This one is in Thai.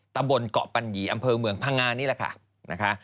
ตะบลเกาะปัญหีอำเภอเมืองพังงานนี้แหละค่ะ